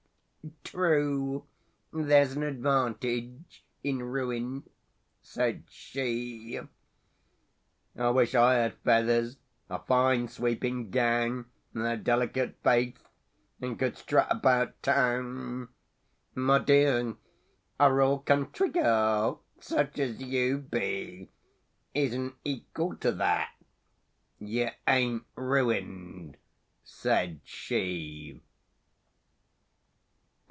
— "True. There's an advantage in ruin," said she. —"I wish I had feathers, a fine sweeping gown, And a delicate face, and could strut about Town!"— "My dear—a raw country girl, such as you be, Isn't equal to that. You ain't ruined," said she.